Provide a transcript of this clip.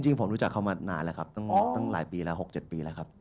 จริงผมรู้จักเขามานานแล้วครับตั้งหลายปีแล้ว๖๗ปีแล้วครับ